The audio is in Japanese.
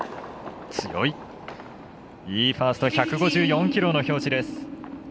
いいファースト１５４キロの表示です。